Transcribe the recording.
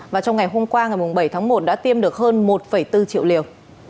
và trong ngày hôm qua ngày bảy tháng một đã tiêm được hơn một bốn triệu liều